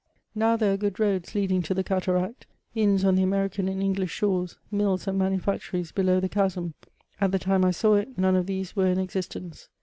Now, there are good roads lead ing to the cataract, ions on the American and English shores, mills and manufactories below the chasm; at the time I saw it none of these were in existence.